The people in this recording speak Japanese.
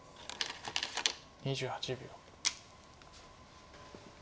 ２８秒。